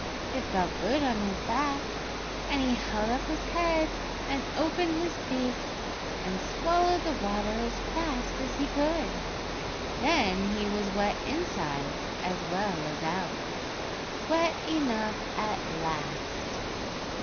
It felt good on his back, and he held up his head, and opened his beak, and swallowed the water as fast as he could. Then he was wet inside as well as out—wet enough at last.